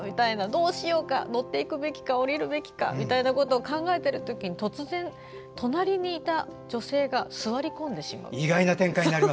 どうしようか、乗っていくべきか降りるべきかみたいなことを考えているときに突然、隣にいた女性が座り込んでしまう。